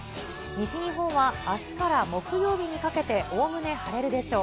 西日本はあすから木曜日にかけて、おおむね晴れるでしょう。